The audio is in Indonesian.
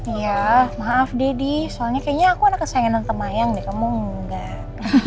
iya maaf deddy soalnya kayaknya aku anak kesayangan tante mayang deh kamu enggak